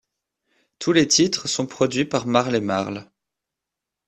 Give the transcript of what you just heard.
Tous les titres sont produits par Marley Marl.